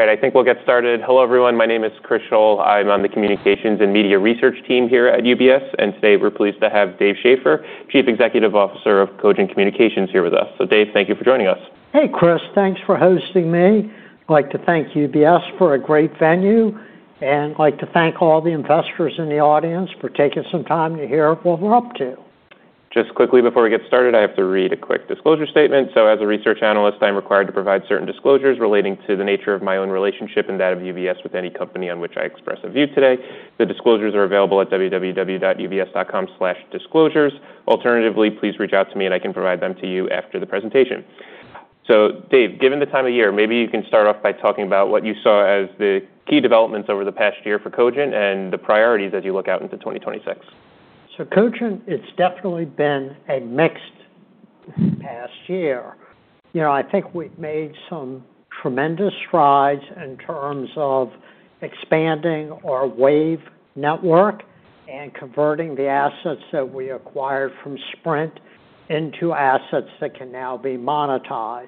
All right, I think we'll get started. Hello, everyone. My name is Chris Schoell. I'm on the Communications and Media Research team here at UBS. And today we're pleased to have Dave Schaeffer, Chief Executive Officer of Cogent Communications, here with us. So, Dave, thank you for joining us. Hey, Chris, thanks for hosting me. I'd like to thank UBS for a great venue, and I'd like to thank all the investors in the audience for taking some time to hear what we're up to. Just quickly, before we get started, I have to read a quick disclosure statement. So, as a research analyst, I'm required to provide certain disclosures relating to the nature of my own relationship and that of UBS with any company on which I express a view today. The disclosures are available at www.ubs.com/disclosures. Alternatively, please reach out to me, and I can provide them to you after the presentation. So, Dave, given the time of year, maybe you can start off by talking about what you saw as the key developments over the past year for Cogent and the priorities as you look out into 2026. So, Cogent has definitely been a mixed past year. You know, I think we've made some tremendous strides in terms of expanding our wave network and converting the assets that we acquired from Sprint into assets that can now be monetized.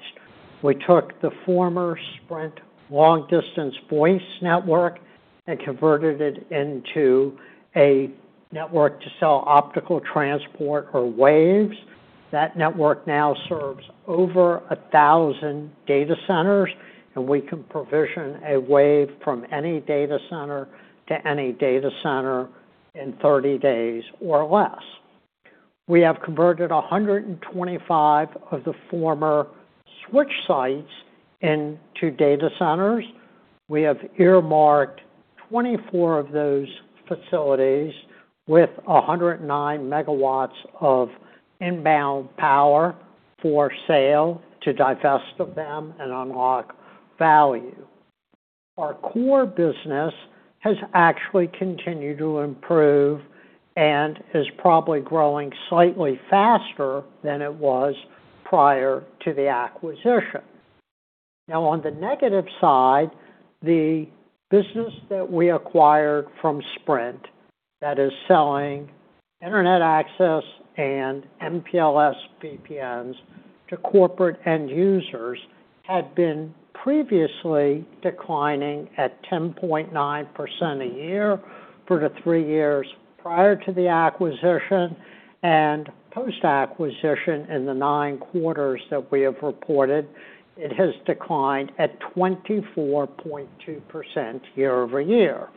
We took the former Sprint long-distance voice network and converted it into a network to sell optical transport or waves. That network now serves over 1,000 data centers, and we can provision a wave from any data center to any data center in 30 days or less. We have converted 125 of the former switch sites into data centers. We have earmarked 24 of those facilities with 109 MW of inbound power for sale to divest of them and unlock value. Our core business has actually continued to improve and is probably growing slightly faster than it was prior to the acquisition. Now, on the negative side, the business that we acquired from Sprint that is selling internet access and MPLS VPNs to corporate end users had been previously declining at 10.9% a year for the three years prior to the acquisition and post-acquisition in the nine quarters that we have reported. It has declined at 24.2% year-over-year.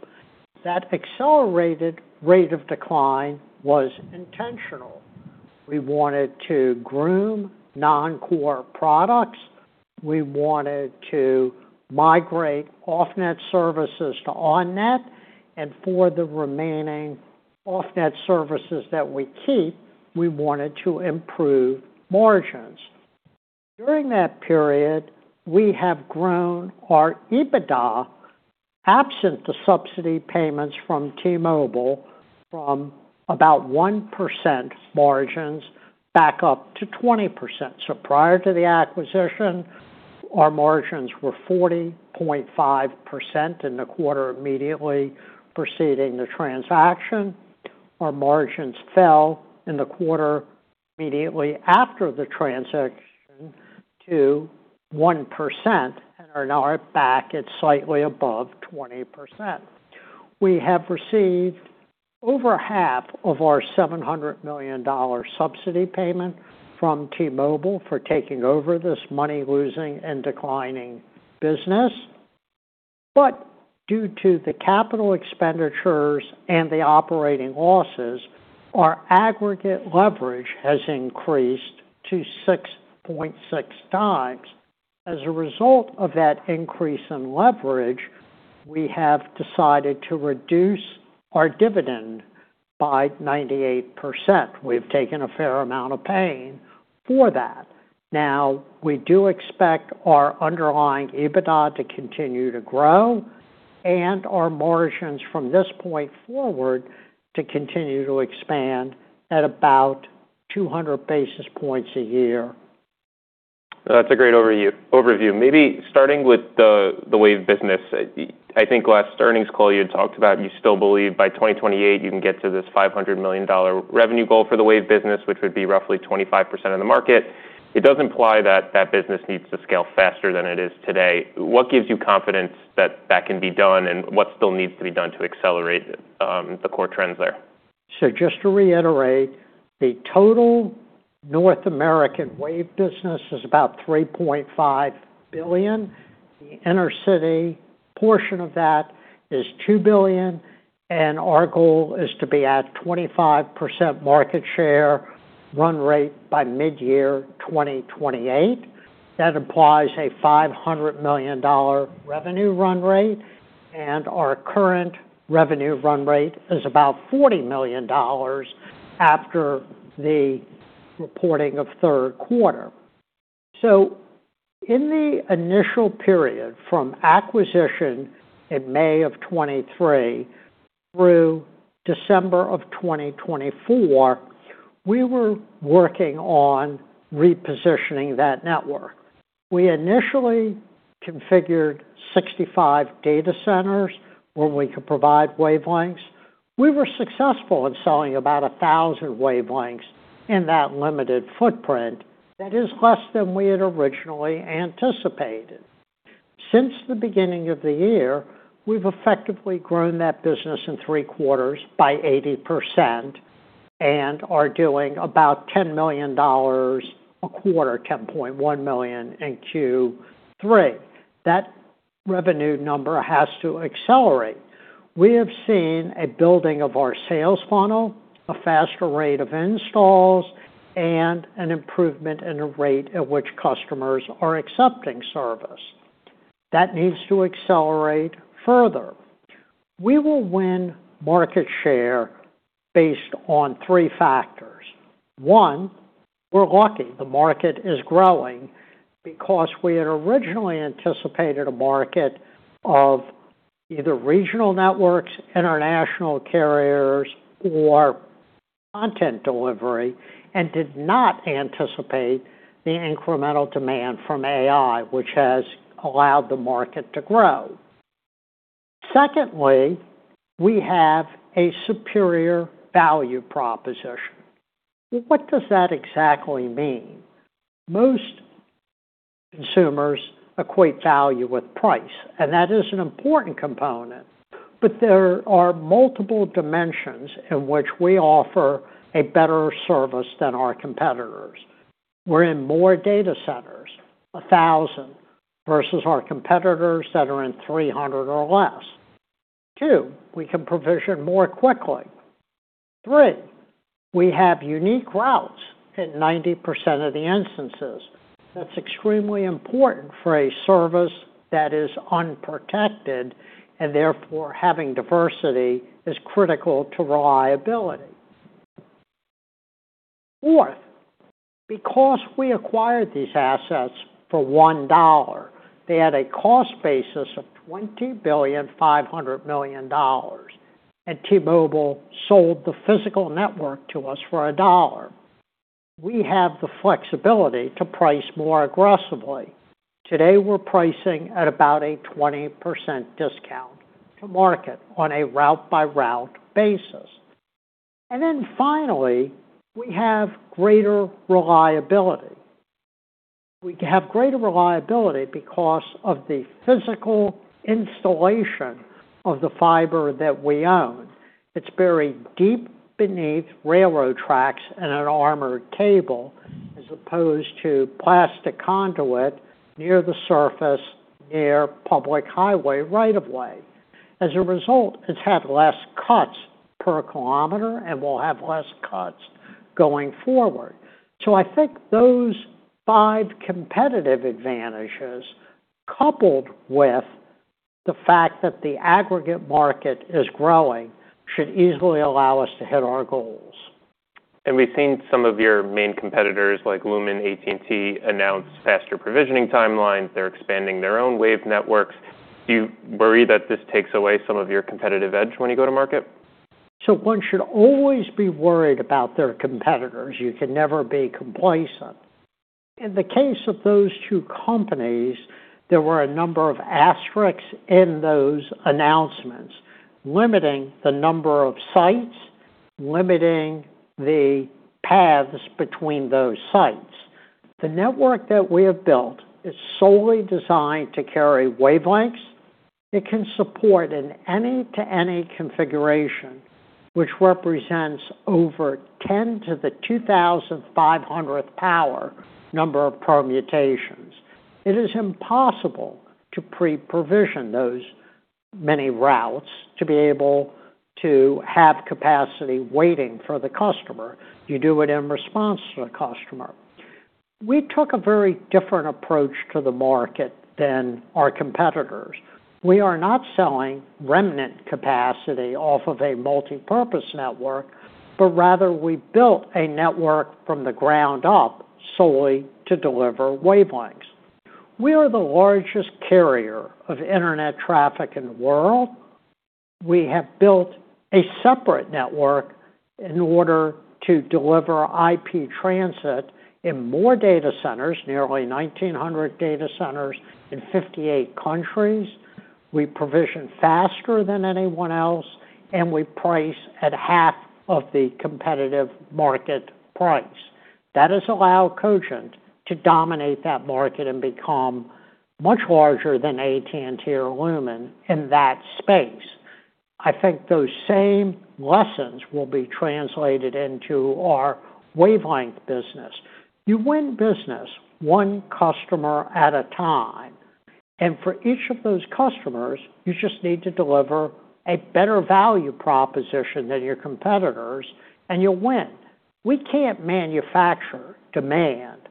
That accelerated rate of decline was intentional. We wanted to groom non-core products. We wanted to migrate off-net services to on-net. And for the remaining off-net services that we keep, we wanted to improve margins. During that period, we have grown our EBITDA, absent the subsidy payments from T-Mobile, from about 1% margins back up to 20%. So, prior to the acquisition, our margins were 40.5% in the quarter immediately preceding the transaction. Our margins fell in the quarter immediately after the transaction to 1% and are now back at slightly above 20%. We have received over half of our $700 million subsidy payment from T-Mobile for taking over this money-losing and declining business. But due to the capital expenditures and the operating losses, our aggregate leverage has increased to 6.6x. As a result of that increase in leverage, we have decided to reduce our dividend by 98%. We've taken a fair amount of pain for that. Now, we do expect our underlying EBITDA to continue to grow and our margins from this point forward to continue to expand at about 200 basis points a year. That's a great overview. Maybe starting with the wave business, I think last earnings call you had talked about, you still believe by 2028 you can get to this $500 million revenue goal for the wave business, which would be roughly 25% of the market. It does imply that that business needs to scale faster than it is today. What gives you confidence that that can be done, and what still needs to be done to accelerate the core trends there? So, just to reiterate, the total North American wave business is about $3.5 billion. The intercity portion of that is $2 billion, and our goal is to be at 25% market share run rate by mid-year 2028. That implies a $500 million revenue run rate, and our current revenue run rate is about $40 million after the reporting of third quarter. So, in the initial period from acquisition in May of 2023 through December of 2024, we were working on repositioning that network. We initially configured 65 data centers where we could provide wavelengths. We were successful in selling about 1,000 wavelengths in that limited footprint. That is less than we had originally anticipated. Since the beginning of the year, we've effectively grown that business in three quarters by 80% and are doing about $10 million a quarter, $10.1 million in Q3. That revenue number has to accelerate. We have seen a building of our sales funnel, a faster rate of installs, and an improvement in the rate at which customers are accepting service. That needs to accelerate further. We will win market share based on three factors. One, we're lucky. The market is growing because we had originally anticipated a market of either regional networks, international carriers, or content delivery, and did not anticipate the incremental demand from AI, which has allowed the market to grow. Secondly, we have a superior value proposition. What does that exactly mean? Most consumers equate value with price, and that is an important component. But there are multiple dimensions in which we offer a better service than our competitors. We're in more data centers, 1,000, versus our competitors that are in 300 or less. Two, we can provision more quickly. Three, we have unique routes in 90% of the instances. That's extremely important for a service that is unprotected, and therefore having diversity is critical to reliability. Fourth, because we acquired these assets for $1, they had a cost basis of $20 billion, $500 million, and T-Mobile sold the physical network to us for $1. We have the flexibility to price more aggressively. Today, we're pricing at about a 20% discount to market on a route-by-route basis. And then finally, we have greater reliability. We have greater reliability because of the physical installation of the fiber that we own. It's buried deep beneath railroad tracks and an armored cable, as opposed to plastic conduit near the surface, near public highway right-of-way. As a result, it's had less cuts per kilometer and will have less cuts going forward. So, I think those five competitive advantages, coupled with the fact that the aggregate market is growing, should easily allow us to hit our goals. We've seen some of your main competitors, like Lumen, AT&T, announce faster provisioning timelines. They're expanding their own wave networks. Do you worry that this takes away some of your competitive edge when you go to market? One should always be worried about their competitors. You can never be complacent. In the case of those two companies, there were a number of asterisks in those announcements, limiting the number of sites, limiting the paths between those sites. The network that we have built is solely designed to carry wavelengths. It can support an any-to-any configuration, which represents over 10 to the 2,500th power number of permutations. It is impossible to pre-provision those many routes to be able to have capacity waiting for the customer. You do it in response to the customer. We took a very different approach to the market than our competitors. We are not selling remnant capacity off of a multipurpose network, but rather we built a network from the ground up solely to deliver wavelengths. We are the largest carrier of internet traffic in the world. We have built a separate network in order to deliver IP transit in more data centers, nearly 1,900 data centers in 58 countries. We provision faster than anyone else, and we price at half of the competitive market price. That has allowed Cogent to dominate that market and become much larger than AT&T or Lumen in that space. I think those same lessons will be translated into our wavelength business. You win business one customer at a time, and for each of those customers, you just need to deliver a better value proposition than your competitors, and you'll win. We can't manufacture demand.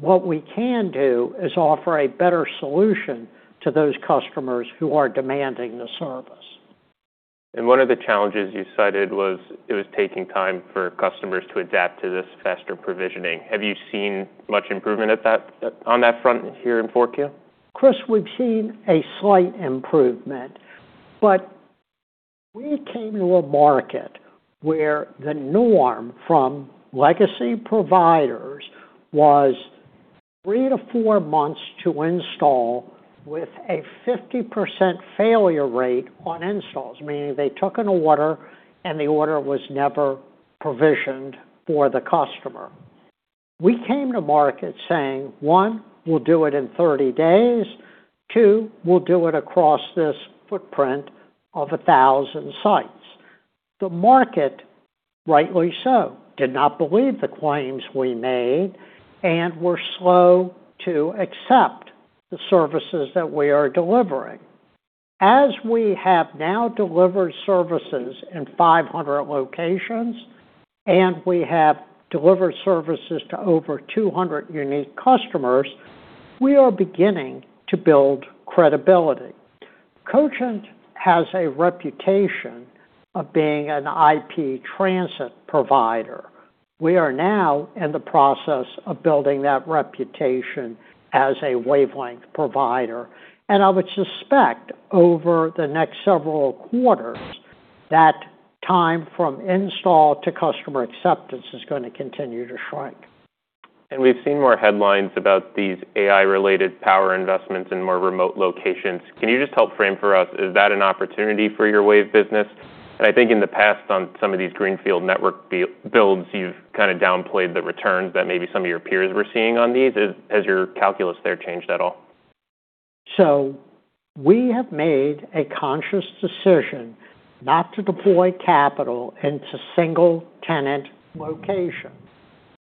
What we can do is offer a better solution to those customers who are demanding the service. One of the challenges you cited was it was taking time for customers to adapt to this faster provisioning. Have you seen much improvement on that front here in Q4? Chris, we've seen a slight improvement. But we came to a market where the norm from legacy providers was three to four months to install with a 50% failure rate on installs, meaning they took an order and the order was never provisioned for the customer. We came to market saying, one, we'll do it in 30 days. Two, we'll do it across this footprint of 1,000 sites. The market, rightly so, did not believe the claims we made and were slow to accept the services that we are delivering. As we have now delivered services in 500 locations and we have delivered services to over 200 unique customers, we are beginning to build credibility. Cogent has a reputation of being an IP transit provider. We are now in the process of building that reputation as a wavelength provider. I would suspect over the next several quarters, that time from install to customer acceptance is going to continue to shrink. We've seen more headlines about these AI-related power investments in more remote locations. Can you just help frame for us, is that an opportunity for your wave business? I think in the past on some of these greenfield network builds, you've kind of downplayed the returns that maybe some of your peers were seeing on these. Has your calculus there changed at all? So, we have made a conscious decision not to deploy capital into single-tenant locations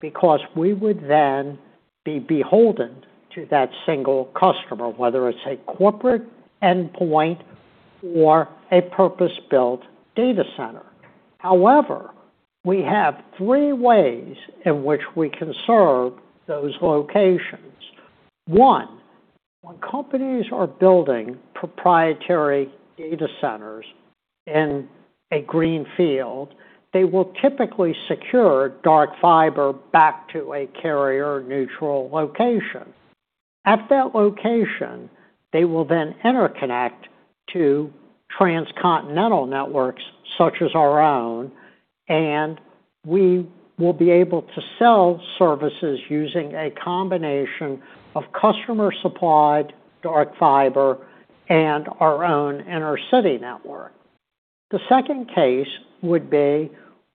because we would then be beholden to that single customer, whether it's a corporate endpoint or a purpose-built data center. However, we have three ways in which we can serve those locations. One, when companies are building proprietary data centers in a greenfield, they will typically secure dark fiber back to a carrier-neutral location. At that location, they will then interconnect to transcontinental networks such as our own, and we will be able to sell services using a combination of customer-supplied dark fiber and our own intercity network. The second case would be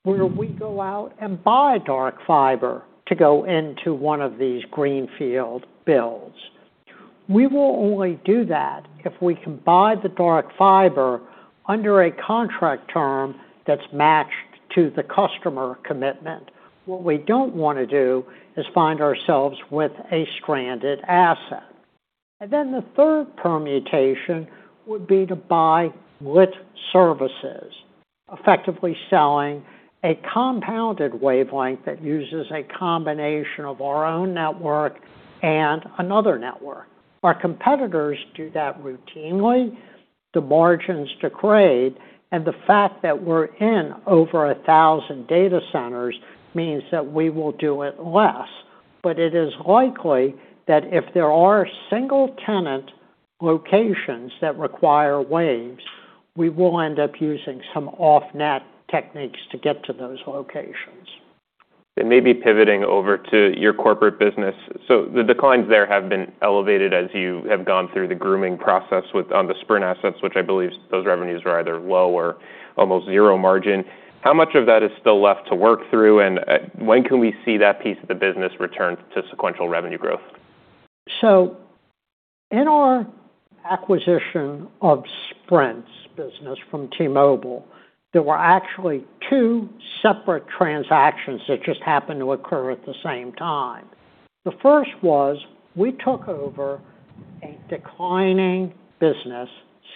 where we go out and buy dark fiber to go into one of these greenfield builds. We will only do that if we can buy the dark fiber under a contract term that's matched to the customer commitment. What we don't want to do is find ourselves with a stranded asset. And then the third permutation would be to buy lit services, effectively selling a compounded wavelength that uses a combination of our own network and another network. Our competitors do that routinely. The margins degrade, and the fact that we're in over 1,000 data centers means that we will do it less. But it is likely that if there are single-tenant locations that require waves, we will end up using some off-net techniques to get to those locations. Maybe pivoting over to your corporate business. The declines there have been elevated as you have gone through the grooming process on the Sprint assets, which I believe those revenues were either low or almost zero margin. How much of that is still left to work through, and when can we see that piece of the business return to sequential revenue growth? In our acquisition of Sprint's business from T-Mobile, there were actually two separate transactions that just happened to occur at the same time. The first was we took over a declining business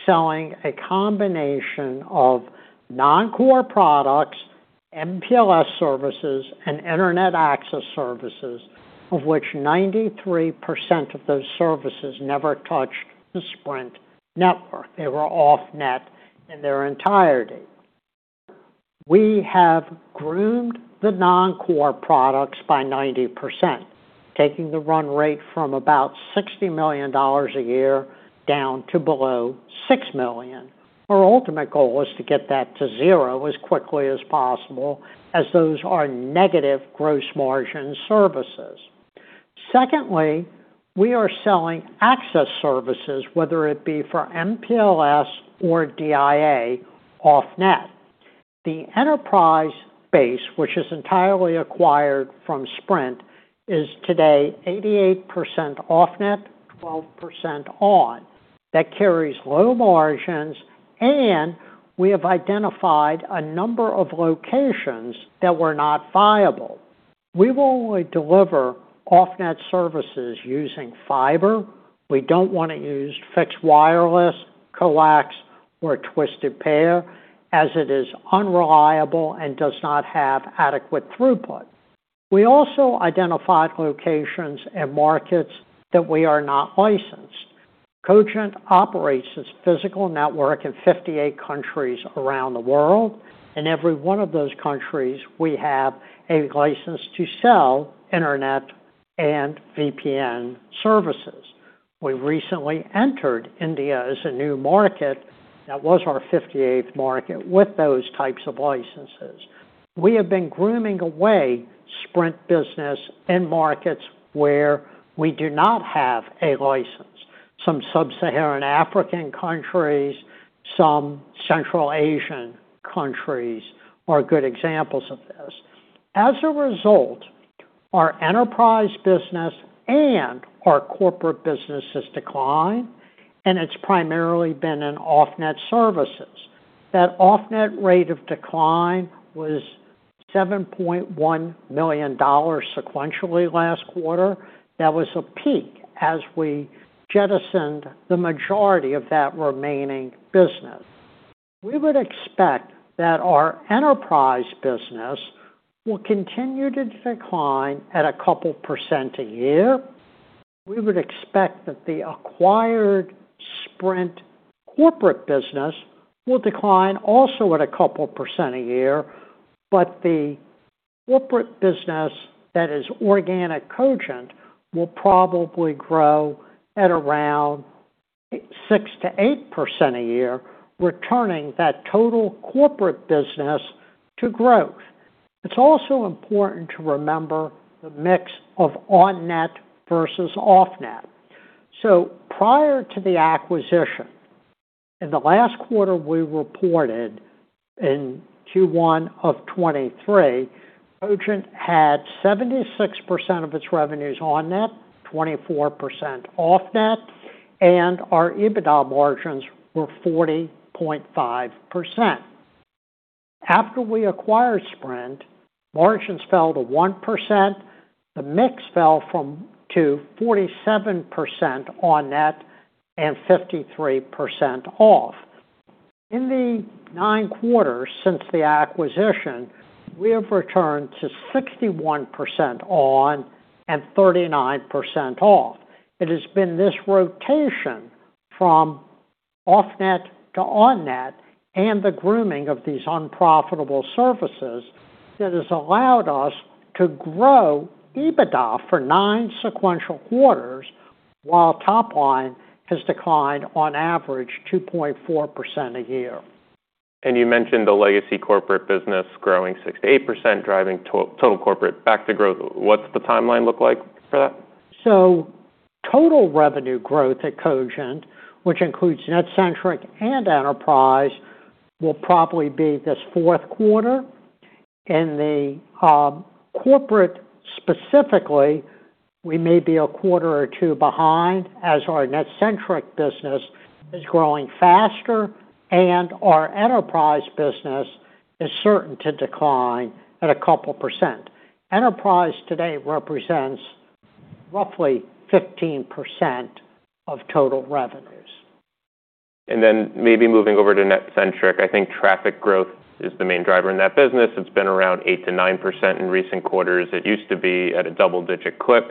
selling a combination of non-core products, MPLS services, and internet access services, of which 93% of those services never touched the Sprint network. They were off-net in their entirety. We have groomed the non-core products by 90%, taking the run rate from about $60 million a year down to below $6 million. Our ultimate goal is to get that to zero as quickly as possible as those are negative gross margin services. Secondly, we are selling access services, whether it be for MPLS or DIA, off-net. The enterprise base, which is entirely acquired from Sprint, is today 88% off-net, 12% on. That carries low margins, and we have identified a number of locations that were not viable. We will only deliver off-net services using fiber. We don't want to use fixed wireless, coax, or twisted pair, as it is unreliable and does not have adequate throughput. We also identified locations and markets that we are not licensed. Cogent operates its physical network in 58 countries around the world, and every one of those countries, we have a license to sell internet and VPN services. We recently entered India as a new market. That was our 58th market with those types of licenses. We have been grooming away Sprint business in markets where we do not have a license. Some Sub-Saharan African countries, some Central Asian countries are good examples of this. As a result, our enterprise business and our corporate business has declined, and it's primarily been in off-net services. That off-net rate of decline was $7.1 million sequentially last quarter. That was a peak as we jettisoned the majority of that remaining business. We would expect that our enterprise business will continue to decline at a couple percent a year. We would expect that the acquired Sprint corporate business will decline also at a couple percent a year, but the corporate business that is organic Cogent will probably grow at around 6%-8% a year, returning that total corporate business to growth. It's also important to remember the mix of on-net versus off-net. So, prior to the acquisition, in the last quarter we reported in Q1 of 2023, Cogent had 76% of its revenues on-net, 24% off-net, and our EBITDA margins were 40.5%. After we acquired Sprint, margins fell to 1%. The mix fell to 47% on-net and 53% off. In the nine quarters since the acquisition, we have returned to 61% on and 39% off. It has been this rotation from off-net to on-net and the grooming of these unprofitable services that has allowed us to grow EBITDA for nine sequential quarters while top line has declined on average 2.4% a year. You mentioned the legacy corporate business growing 6%-8%, driving total corporate back to growth. What's the timeline look like for that? Total revenue growth at Cogent, which includes NetCentric and enterprise, will probably be this fourth quarter. In the corporate specifically, we may be a quarter or two behind as our NetCentric business is growing faster and our enterprise business is certain to decline at a couple percent. Enterprise today represents roughly 15% of total revenues. And then maybe moving over to NetCentric, I think traffic growth is the main driver in that business. It's been around 8%-9% in recent quarters. It used to be at a double-digit clip.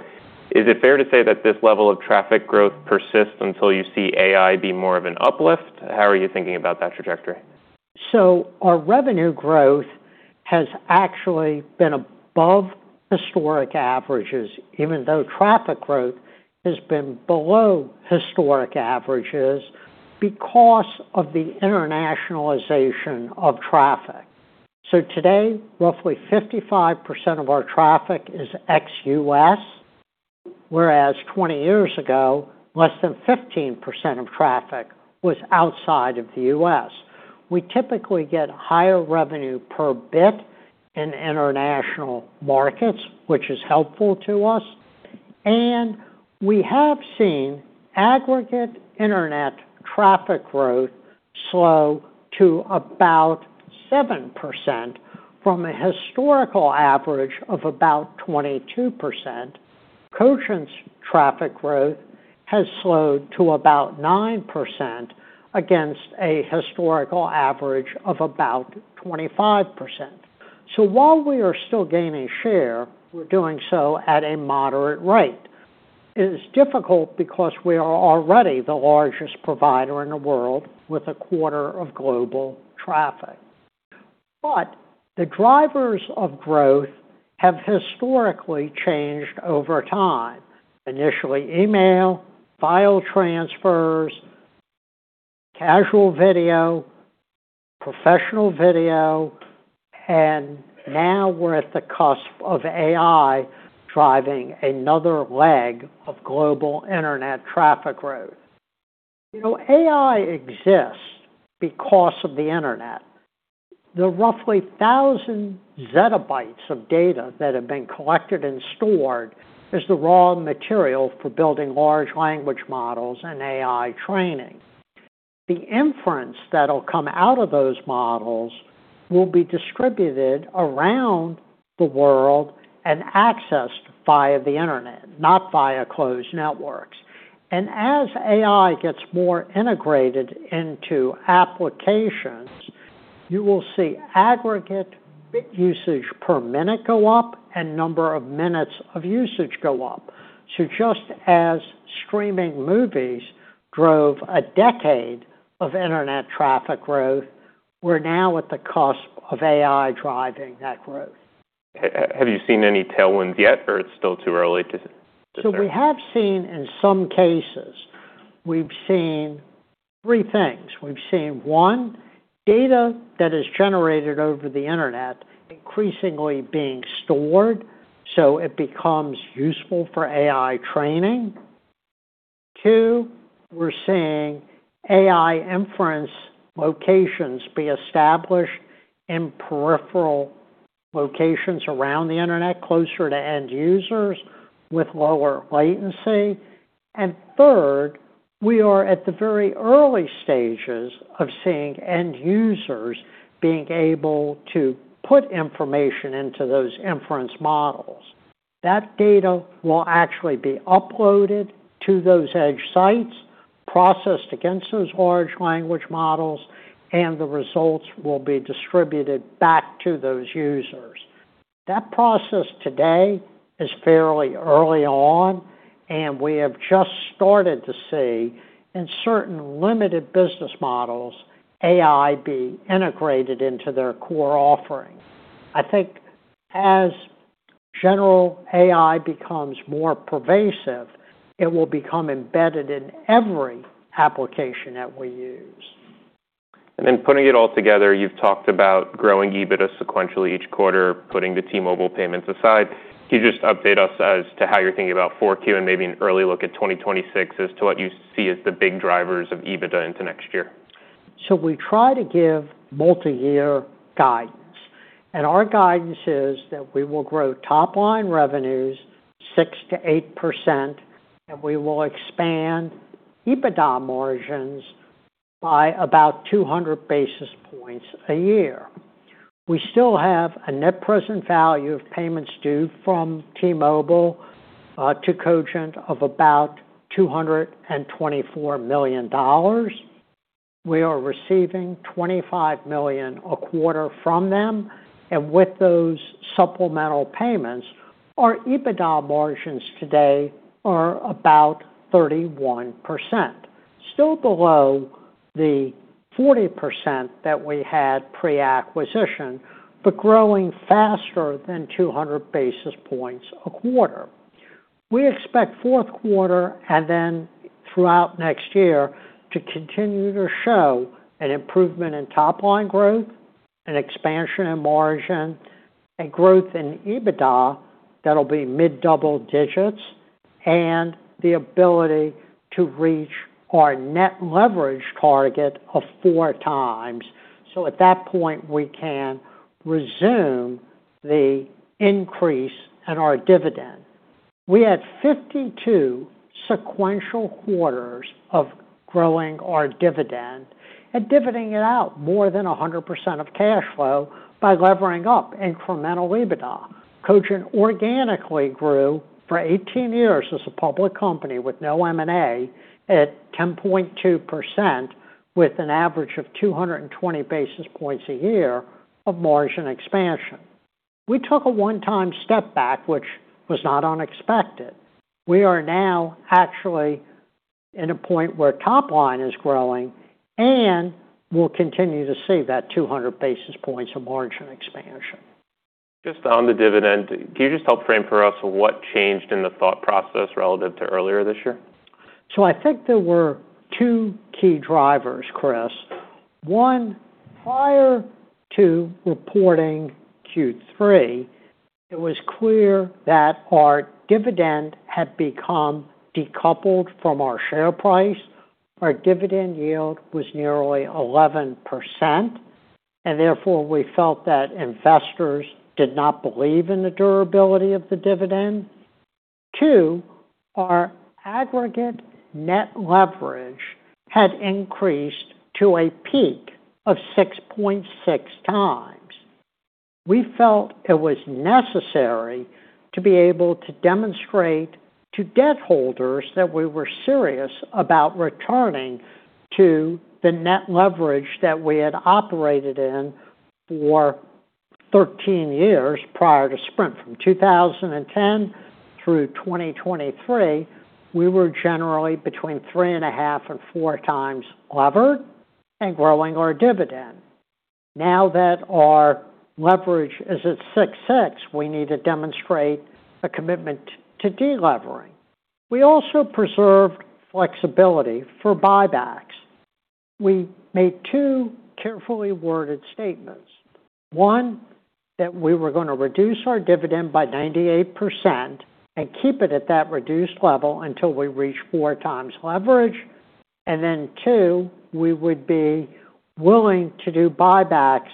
Is it fair to say that this level of traffic growth persists until you see AI be more of an uplift? How are you thinking about that trajectory? Our revenue growth has actually been above historic averages, even though traffic growth has been below historic averages because of the internationalization of traffic. Today, roughly 55% of our traffic is ex-U.S., whereas 20 years ago, less than 15% of traffic was outside of the U.S. We typically get higher revenue per bit in international markets, which is helpful to us. We have seen aggregate internet traffic growth slow to about 7% from a historical average of about 22%. Cogent's traffic growth has slowed to about 9% against a historical average of about 25%. While we are still gaining share, we're doing so at a moderate rate. It is difficult because we are already the largest provider in the world with a quarter of global traffic. The drivers of growth have historically changed over time. Initially, email, file transfers, casual video, professional video, and now we're at the cusp of AI driving another leg of global internet traffic growth. You know, AI exists because of the internet. The roughly 1,000 ZB of data that have been collected and stored is the raw material for building large language models and AI training. The inference that will come out of those models will be distributed around the world and accessed via the internet, not via closed networks, and as AI gets more integrated into applications, you will see aggregate usage per minute go up and number of minutes of usage go up, so just as streaming movies drove a decade of internet traffic growth, we're now at the cusp of AI driving that growth. Have you seen any tailwinds yet, or it's still too early to say? We have seen in some cases, we've seen three things. We've seen, one, data that is generated over the internet increasingly being stored so it becomes useful for AI training. Two, we're seeing AI inference locations be established in peripheral locations around the internet, closer to end users with lower latency. And third, we are at the very early stages of seeing end users being able to put information into those inference models. That data will actually be uploaded to those edge sites, processed against those large language models, and the results will be distributed back to those users. That process today is fairly early on, and we have just started to see in certain limited business models AI be integrated into their core offering. I think as general AI becomes more pervasive, it will become embedded in every application that we use. And then putting it all together, you've talked about growing EBITDA sequentially each quarter, putting the T-Mobile payments aside. Can you just update us as to how you're thinking about 4Q and maybe an early look at 2026 as to what you see as the big drivers of EBITDA into next year? We try to give multi-year guidance. Our guidance is that we will grow top line revenues 6%-8%, and we will expand EBITDA margins by about 200 basis points a year. We still have a net present value of payments due from T-Mobile to Cogent of about $224 million. We are receiving $25 million a quarter from them. With those supplemental payments, our EBITDA margins today are about 31%, still below the 40% that we had pre-acquisition, but growing faster than 200 basis points a quarter. We expect fourth quarter and then throughout next year to continue to show an improvement in top line growth, an expansion in margin, a growth in EBITDA that'll be mid-double digits, and the ability to reach our net leverage target of four times. At that point, we can resume the increase in our dividend. We had 52 sequential quarters of growing our dividend and dividending it out more than 100% of cash flow by levering up incremental EBITDA. Cogent organically grew for 18 years as a public company with no M&A at 10.2%, with an average of 220 basis points a year of margin expansion. We took a one-time step back, which was not unexpected. We are now actually in a point where top line is growing, and we'll continue to see that 200 basis points of margin expansion. Just on the dividend, can you just help frame for us what changed in the thought process relative to earlier this year? I think there were two key drivers, Chris. One, prior to reporting Q3, it was clear that our dividend had become decoupled from our share price. Our dividend yield was nearly 11%, and therefore we felt that investors did not believe in the durability of the dividend. Two, our aggregate net leverage had increased to a peak of 6.6 times. We felt it was necessary to be able to demonstrate to debt holders that we were serious about returning to the net leverage that we had operated in for 13 years prior to Sprint. From 2010 through 2023, we were generally between three and a half and four times levered and growing our dividend. Now that our leverage is at 6.6, we need to demonstrate a commitment to delevering. We also preserved flexibility for buybacks. We made two carefully worded statements. One, that we were going to reduce our dividend by 98% and keep it at that reduced level until we reach four times leverage, and then two, we would be willing to do buybacks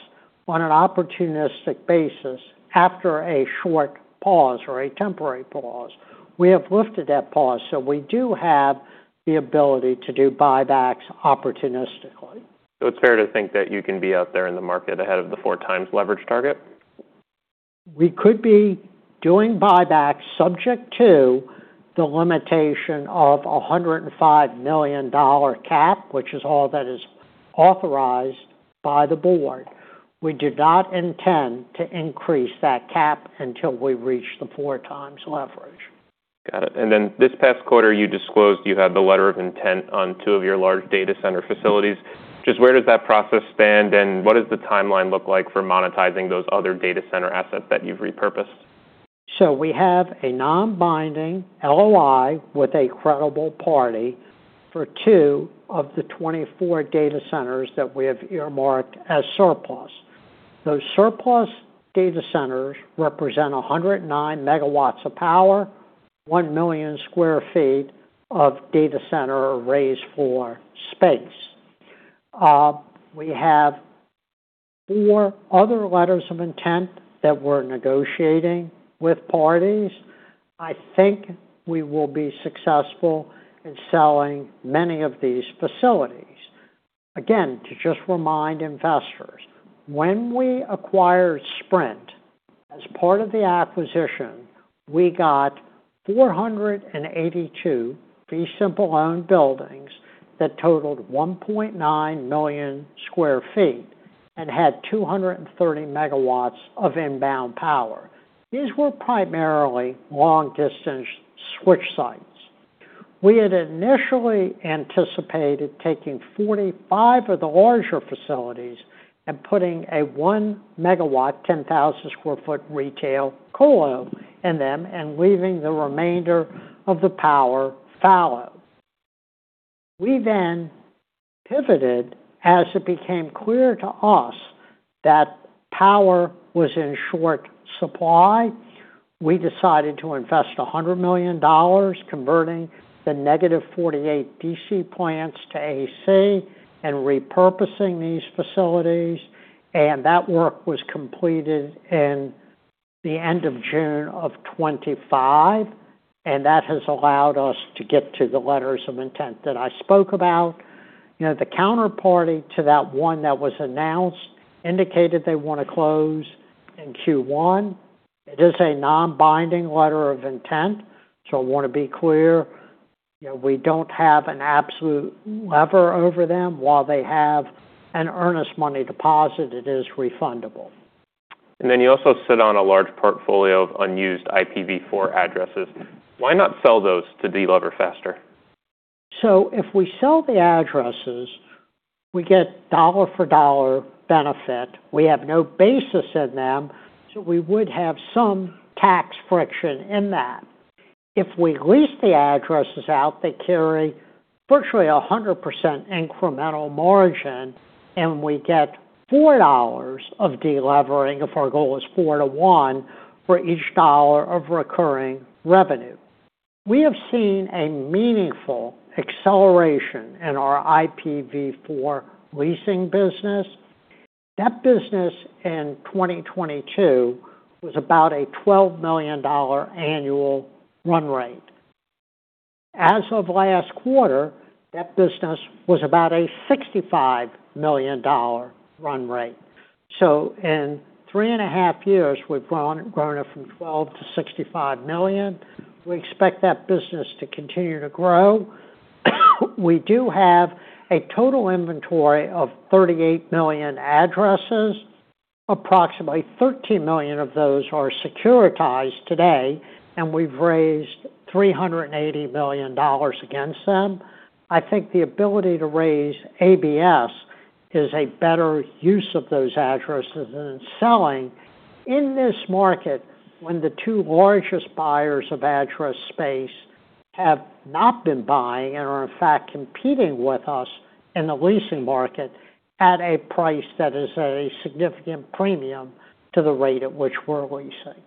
on an opportunistic basis after a short pause or a temporary pause. We have lifted that pause, so we do have the ability to do buybacks opportunistically. So, it's fair to think that you can be out there in the market ahead of the four times leverage target? We could be doing buybacks subject to the limitation of a $105 million cap, which is all that is authorized by the board. We did not intend to increase that cap until we reach the four times leverage. Got it. And then this past quarter, you disclosed you had the letter of intent on two of your large data center facilities. Just where does that process stand, and what does the timeline look like for monetizing those other data center assets that you've repurposed? So, we have a non-binding LOI with a credible party for two of the 24 data centers that we have earmarked as surplus. Those surplus data centers represent 109 MW of power, 1 million sq ft of data center or raised floor space. We have four other letters of intent that we're negotiating with parties. I think we will be successful in selling many of these facilities. Again, to just remind investors, when we acquired Sprint as part of the acquisition, we got 482 fee simple-owned buildings that totaled 1.9 million sq ft and had 230 MW of inbound power. These were primarily long-distance switch sites. We had initially anticipated taking 45 of the larger facilities and putting a one megawatt, 10,000 sq ft retail colo in them and leaving the remainder of the power fallow. We then pivoted as it became clear to us that power was in short supply. We decided to invest $100 million converting the negative 48 DC plants to AC and repurposing these facilities. And that work was completed in the end of June of 2025, and that has allowed us to get to the letters of intent that I spoke about. You know, the counterparty to that one that was announced indicated they want to close in Q1. It is a non-binding letter of intent. So, I want to be clear, you know, we don't have an absolute lever over them. While they have an earnest money deposit, it is refundable. You also sit on a large portfolio of unused IPv4 addresses. Why not sell those to delever faster? If we sell the addresses, we get dollar-for-dollar benefit. We have no basis in them, so we would have some tax friction in that. If we lease the addresses out, they carry virtually 100% incremental margin, and we get $4 of delevering if our goal is 4-1 for each dollar of recurring revenue. We have seen a meaningful acceleration in our IPv4 leasing business. That business in 2022 was about a $12 million annual run rate. As of last quarter, that business was about a $65 million run rate. In three and a half years, we've grown it from 12 million-65 million. We expect that business to continue to grow. We do have a total inventory of 38 million addresses. Approximately 13 million of those are securitized today, and we've raised $380 million against them. I think the ability to raise ABS is a better use of those addresses than selling in this market when the two largest buyers of address space have not been buying and are, in fact, competing with us in the leasing market at a price that is at a significant premium to the rate at which we're leasing.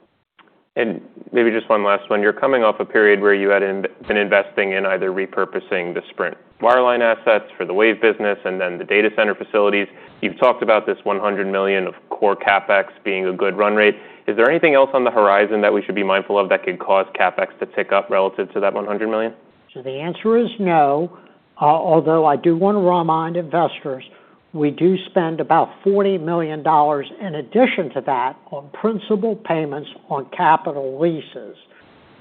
And maybe just one last one. You're coming off a period where you had been investing in either repurposing the Sprint wireline assets for the wave business and then the data center facilities. You've talked about this $100 million of core CapEx being a good run rate. Is there anything else on the horizon that we should be mindful of that could cause CapEx to tick up relative to that $100 million? The answer is no. Although I do want to remind investors, we do spend about $40 million in addition to that on principal payments on capital leases.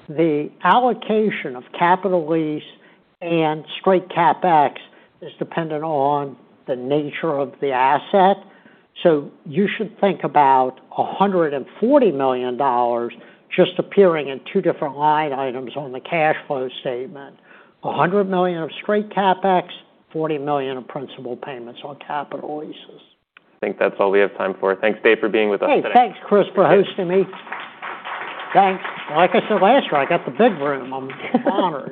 The allocation of capital lease and straight CapEx is dependent on the nature of the asset. You should think about $140 million just appearing in two different line items on the cash flow statement: $100 million of straight CapEx, $40 million of principal payments on capital leases. I think that's all we have time for. Thanks Dave for being with us today. Thanks, Chris, for hosting me. Thanks. Like I said last year, I got the big room. I'm honored.